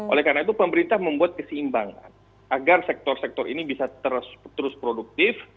oleh karena itu pemerintah membuat keseimbangan agar sektor sektor ini bisa terus produktif